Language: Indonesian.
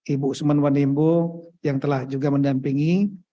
ibu usman wanimbo yang telah juga mendampingi